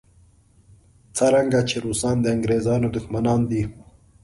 څرنګه چې روسان د انګریزانو دښمنان دي.